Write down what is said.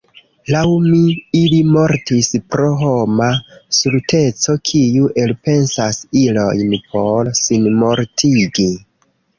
Laŭ mi ili mortis pro homa stulteco, kiu elpensas ilojn por sinmortigi.